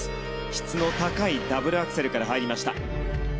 質の高いダブルアクセルから入りました。